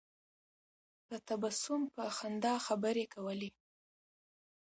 په تبسم په خندا خبرې کولې.